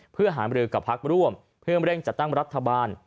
เพื่อหามรือกับพักร่วมเพื่อเร่งจัดตั้งรัฐบาล